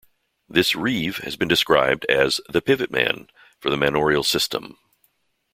This "reeve" has been described as "the pivot man of the manorial system".